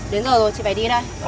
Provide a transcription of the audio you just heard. đến giờ rồi chị phải đi đây